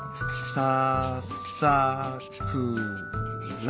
ささくら。